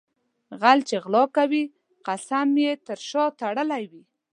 غل چې غلا کوي قسم یې شاته تړلی وي.